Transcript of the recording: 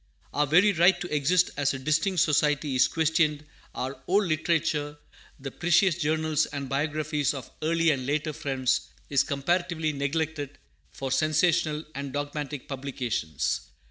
Our very right to exist as a distinct society is questioned. Our old literature the precious journals and biographies of early and later Friends is comparatively neglected for sensational and dogmatic publications.